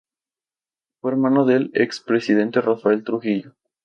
Fue hermano del expresidente Rafael Trujillo.